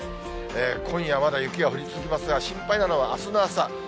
今夜、まだ雪が降り続きますが、心配なのはあすの朝。